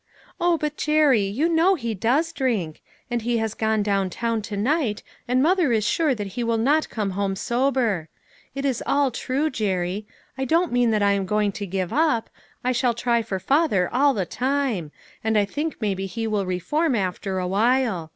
" Oh ! but, Jerry, you know he does drink ; and he has gone down town to night, and mother is sure that he will not come home sober. It is 172 LITTLE FISHERS : AND THEIR NETS. all true, Jerry. I don't mean that I am going to give up. I shall try for father all the time ; and I think maybe he will reform, after a while.